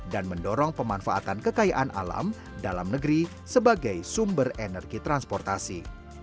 dan mendorong pemanfaatan kekayaan alam dalam negeri sebagai sumber energi transportasi